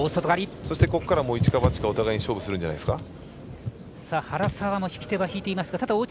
そして一か八か、お互いに勝負するんじゃないですか。